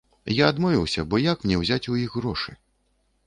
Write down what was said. Я адмовіўся, бо як мне ўзяць у іх грошы?